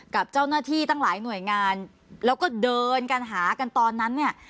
กับเจ้าหน้าที่ตั้งหลายหน่วยงานแล้วก็เดินกันหากันตอนนั้นเนี่ย